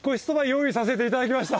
用意させていただきました。